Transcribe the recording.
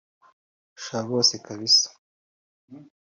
Sha bose kabisa